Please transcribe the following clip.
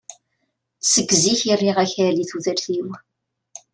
Seg zik i rriɣ akal i tudert-iw.